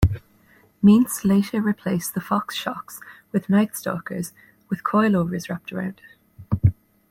Meents later replaced the Fox shocks with Knight Stalkers with coil-overs wrapped around it.